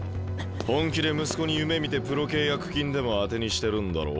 本気で息子に夢みてプロ契約金でも当てにしてるんだろ？